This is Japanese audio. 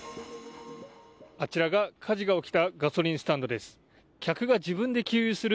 あちらが火事が起きたガソリンスタンドです。